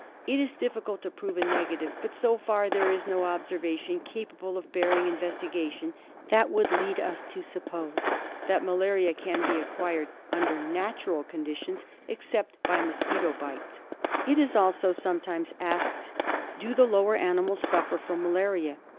It is difficult to prove a negative; but, so far, there is no obser vation capable of bearing investigation that would lead us to suppose that malaria can be acquired, under natural conditions, except by mosquito bite. It is also sometimes asked, Do the lower animals suffer from malaria?